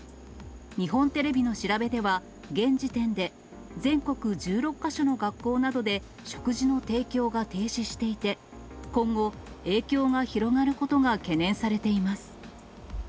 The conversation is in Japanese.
日本テレビの調べでは、現時点で全国１６か所の学校などで、食事の提供が停止していて、今後、影響が広がることが懸念されています。